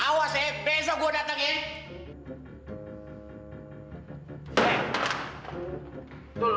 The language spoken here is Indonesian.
awas eh besok gua datengin